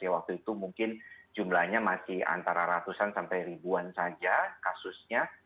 waktu itu mungkin jumlahnya masih antara ratusan sampai ribuan saja kasusnya